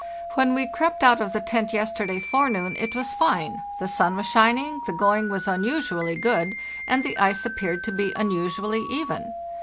When we crept out of the tent yesterday fore noon it was fine, the sun was shining, the going was unusually good, and the ice appeared to be unusually even.